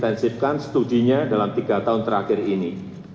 intensifkan studinya dalam tiga tahun terakhir ini